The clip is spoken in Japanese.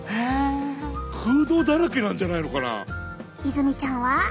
泉ちゃんは？